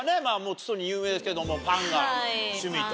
つとに有名ですけどもパンが趣味と。